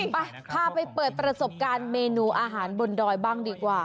ไปพาไปเปิดประสบการณ์เมนูอาหารบนดอยบ้างดีกว่า